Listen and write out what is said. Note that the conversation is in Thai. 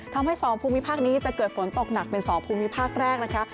ทำให้๒ภูมิภาคนี้จะเกิดฝนตกหนักเป็น๒ภูมิภาคแรกนะคะ